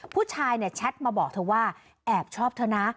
ผู้ชายเนี่ยแชทมาบอกเธอว่าแอบชอบเธอนะ